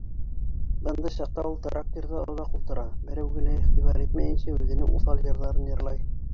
Бындай саҡта ул трактирҙа оҙаҡ ултыра, берәүгә лә иғтибар итмәйенсә үҙенең уҫал йырҙарын йырлай.